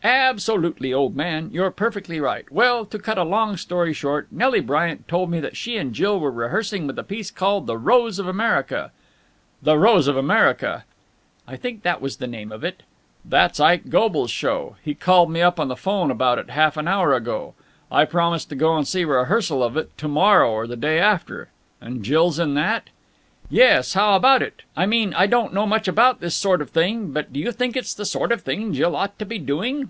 "Absolutely, old man. You're perfectly right. Well, to cut a long story short, Nelly Bryant told me that she and Jill were rehearsing with a piece called 'The Rose of America.'" "'The Rose of America!'" "I think that was the name of it." "That's Ike Goble's show. He called me up on the phone about it half an hour ago. I promised to go and see a rehearsal of it to morrow or the day after. And Jill's in that?" "Yes. How about it? I mean, I don't know much about this sort of thing, but do you think it's the sort of thing Jill ought to be doing?"